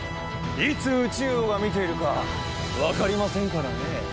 いつ宇蟲王が見ているかわかりませんからね。